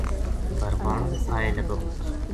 بھربھانو آئے لگو